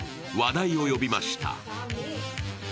話題を呼びました。